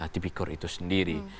tipikor itu sendiri